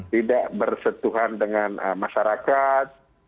tidak bersetuhan dengan masyarakat